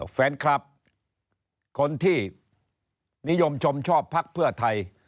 แฟนคลับคนที่นิยมชมชอบพักเพื่อไทย